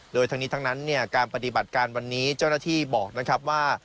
โดยทั้งนี้ทั้งนั้นเนี่ยการปฏิบัติการวันนี้เจ้าหน้าที่บอกนะครับว่า